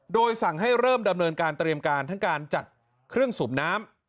โดยสั่งให้เริ่มดำเนินการเตรียมการทั้งการจัดเครื่องสูบน้ำ